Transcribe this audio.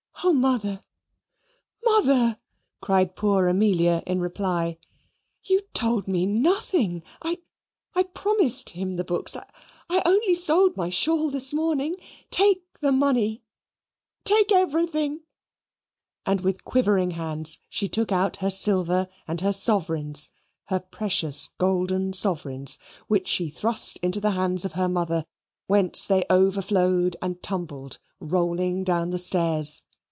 "Oh, Mother, Mother!" cried poor Amelia in reply. "You told me nothing I I promised him the books. I I only sold my shawl this morning. Take the money take everything" and with quivering hands she took out her silver, and her sovereigns her precious golden sovereigns, which she thrust into the hands of her mother, whence they overflowed and tumbled, rolling down the stairs.